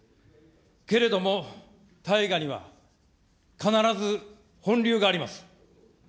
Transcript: けれども大河には、必ず本流があります。